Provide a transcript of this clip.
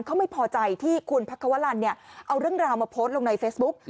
เขาไม่พอใจที่คุณพักควรรณเอาเรื่องราวมาโพสต์ลงในเฟซบุ๊ก